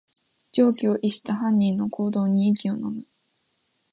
常軌を逸した犯人の行動に息をのむ